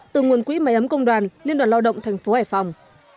từ nguồn quỹ máy ấm công đoàn liên đoàn lao động tp hải phòng